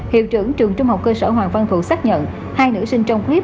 hiệu trưởng trường trung học cơ sở hoàng văn thụ xác nhận hai nữ sinh trong khuyết